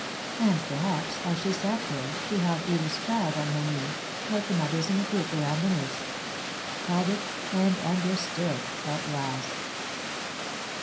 And perhaps, as she sat there, she held Edith's child on her knee, like the mothers in the group around the nurse. Held it and understood at last.